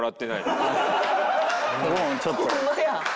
ホンマや。